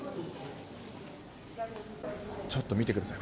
ちょっと見てください。